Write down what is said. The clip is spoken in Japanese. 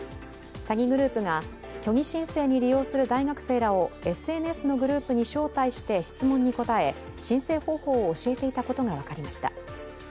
詐欺グループが虚偽申請に利用する大学生らをＳＮＳに招待して質問に答え、申請方法を教えていたことが分かりました。